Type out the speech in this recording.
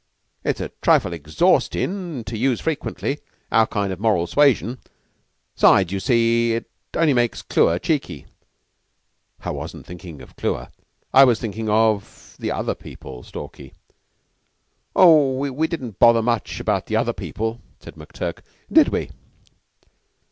"It's a trifle exhaustin' to use frequent our kind of moral suasion. Besides, you see, it only makes Clewer cheeky." "I wasn't thinking of Clewer; I was thinking of the other people, Stalky." "Oh, we didn't bother much about the other people," said McTurk. "Did we?"